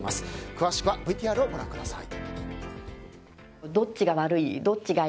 詳しくはＶＴＲをご覧ください。